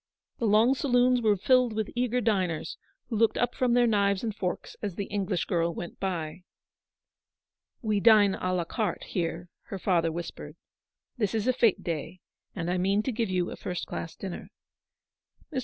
The long saloons were filled with eager diners, who looked up from their knives and forks as the English girrwent by. " We dine a la carte here," her father whis pered: "this is a fete day, and I mean to give you a first class dinner." Mr.